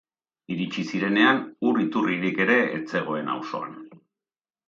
Iritsi zirenean, ur iturririk ere ez zegoen auzoan.